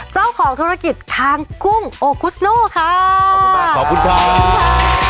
เจ้าของธุรกิจคางกุ้งโอคุสโนค่ะขอบคุณมากขอบคุณครับ